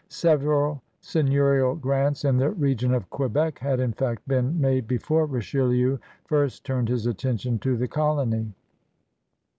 Several seigneurial grants in the region of Quebec had, in fact, been made before Richelieu first turned his attention to the colony.